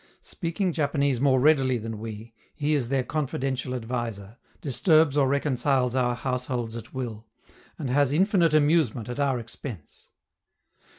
Speaking Japanese more readily than we, he is their confidential adviser, disturbs or reconciles our households at will, and has infinite amusement at our expense.